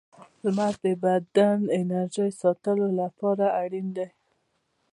• لمر د بدن د انرژۍ ساتلو لپاره اړین دی.